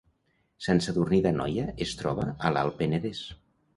Sant Sadurní d’Anoia es troba a l’Alt Penedès